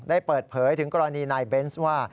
ได้เปิดเผยถึงกรณีนายเบนส์ว่า